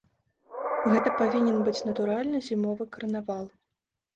Гэта павінен быць натуральны зімовы карнавал.